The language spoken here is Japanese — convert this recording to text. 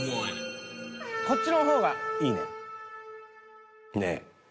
［こっちの方がいいねん］